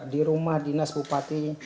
di rumah dinas bupati